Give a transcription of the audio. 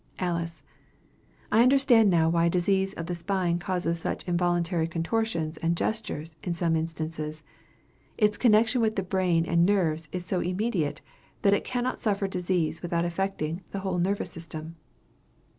Alice. I understand now why disease of the spine causes such involuntary contortions and gestures, in some instances. Its connection with the brain and nerves is so immediate, that it cannot suffer disease without affecting the whole nervous system.